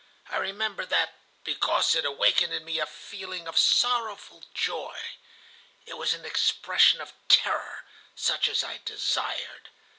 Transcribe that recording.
I remember that, because it awakened in me a feeling of sorrowful joy. It was an expression of terror, such as I desired.